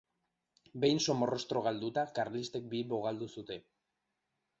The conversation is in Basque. Behin Somorrostro galduta, karlistek Bilbo galdu zuten.